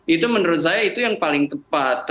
itu menurut saya itu yang paling tepat